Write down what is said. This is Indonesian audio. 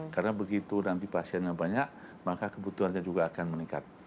karena begitu nanti pasiennya banyak maka kebutuhannya juga akan meningkat